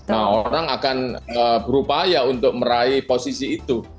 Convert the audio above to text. nah orang akan berupaya untuk meraih posisi itu